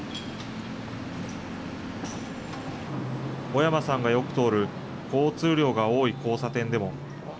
小山さんがよく通る交通量が多い交差点でも。